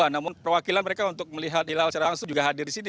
namun perwakilan mereka untuk melihat hilal secara langsung juga hadir di sini